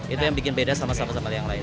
itu yang bikin beda sama sama yang lain